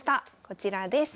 こちらです。